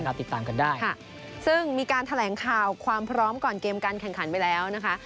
ติดตามกันได้ค่ะซึ่งมีการแถลงข่าวความพร้อมก่อนเกมการแข่งขันไปแล้วนะคะ